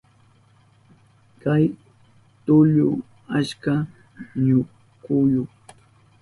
Kay tullu achka ñuchkuyu.